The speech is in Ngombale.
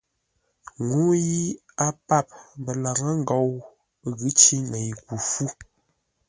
Ŋuu yi a pap məlaŋə́ ngou ghʉ̌ cí ŋəɨ ku fú.